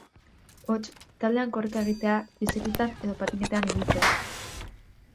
Hots, taldean korrika egitea, bizikletan edo patinekin ibiltzea.